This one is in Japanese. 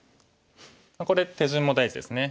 これ手順も大事ですね。